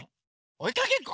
おいかけっこ？